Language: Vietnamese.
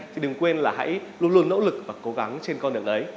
thì đừng quên là hãy luôn luôn nỗ lực và cố gắng trên con đường ấy